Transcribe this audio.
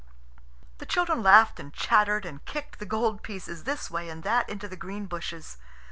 The children laughed and chattered and kicked the gold pieces this way and that into the green bushes.